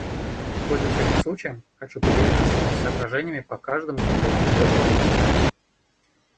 Пользуясь этим случаем, хочу поделиться своими соображениями по каждому из этих трех вопросов.